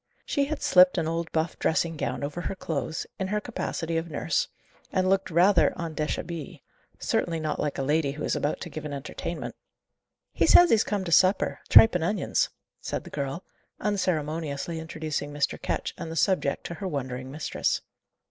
She had slipped an old buff dressing gown over her clothes, in her capacity of nurse, and looked rather en deshabille; certainly not like a lady who is about to give an entertainment. "He says he's come to supper: tripe and onions," said the girl, unceremoniously introducing Mr. Ketch and the subject to her wondering mistress.